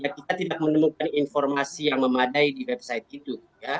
kita tidak menemukan informasi yang memadai di website itu